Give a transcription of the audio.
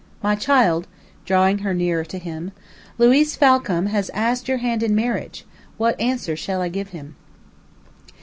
"My child," drawing her nearer to him, "Luiz Falcam has asked your hand in marriage; what answer shall I give him?"